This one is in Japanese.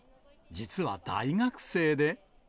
実は、大学生で。